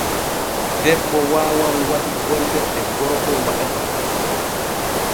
Debbo waawan waɗi golle ɗ e gorgo waɗata.